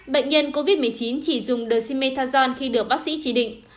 bệnh nhân covid một mươi chín chỉ dùng dexamethasone khi được bác sĩ chỉ định